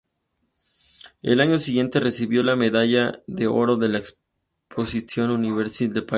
El año siguiente, recibió la medalla de oro de la Exposition universelle de Paris.